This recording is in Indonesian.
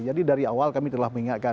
jadi dari awal kami telah mengingatkan